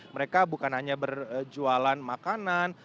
mereka bukan hanya berjualan makanan